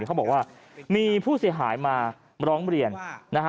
เขาบอกว่ามีผู้เสียหายมาร้องเรียนนะฮะ